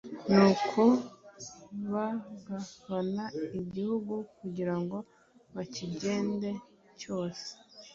Nuko bagabana igihugu kugira ngo bakigende cyose